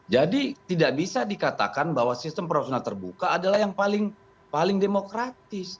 jadi tidak bisa dikatakan bahwa sistem proporsional terbuka adalah yang paling demokratis